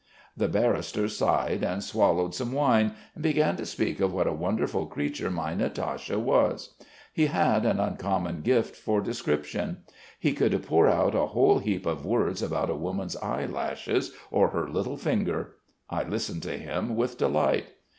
"The barrister sighed, swallowed some wine, and began to speak of what a wonderful creature my Natasha was. He had an uncommon gift for description. He could pour out a whole heap of words about a woman's eyelashes or her little finger. I listened to him with delight.